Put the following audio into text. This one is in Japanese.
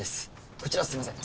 こちらすいません